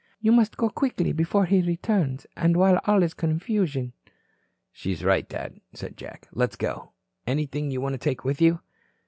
You must go quickly before he returns, and while all is confusion." "She is right, Dad," said Jack. "Let's go. Anything you want to take with you?"